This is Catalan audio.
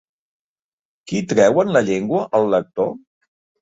Qui treuen la llengua al lector?